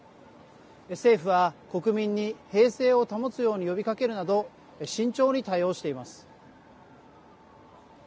政府は国民に平静を保つように呼びかけるなど慎重に対応しています。